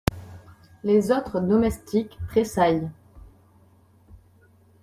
Les autres domestiques tressaillent …